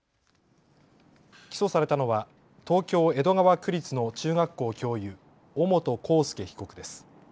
起訴されたのは東京江戸川区立の中学校教諭、尾本幸祐被告です。